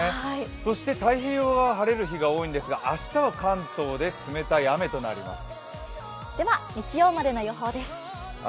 そして太平洋側は晴れる日が多いんですが明日は関東で冷たい雨となります。